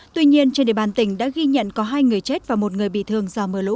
tuy nhiên trên địa bàn tỉnh đã ghi nhận có hai người chết và một người bị thương